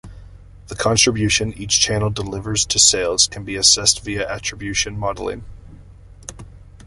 The contribution each channel delivers to sales can be assessed via attribution modelling.